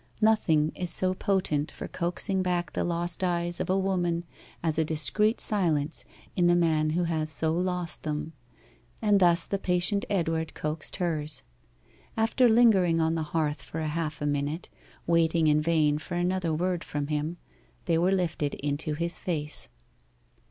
Nothing is so potent for coaxing back the lost eyes of a woman as a discreet silence in the man who has so lost them and thus the patient Edward coaxed hers. After lingering on the hearth for half a minute, waiting in vain for another word from him, they were lifted into his face.